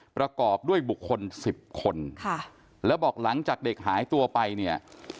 ประกอบด้วยบุคคล๑๐คนค่ะแล้วบอกหลังจากเด็กหายตัวไปเนี่ย